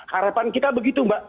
harapan kita begitu mbak